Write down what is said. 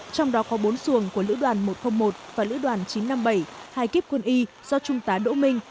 trong đó có bốn xuồng của lữ đoàn một trăm linh một và lữ đoàn chín trăm năm mươi bảy hai kiếp quân y do trung tá đỗ minh